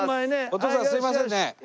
お父さんすいませんね。